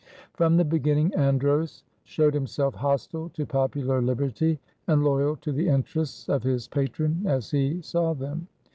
From the beginning Andros showed himself hostile to popular liberty and loyal to the interests of his patron as he saw them.